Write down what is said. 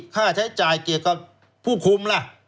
ค่าใช้จ่ายเกี่ยวกับผู้คุมล่ะ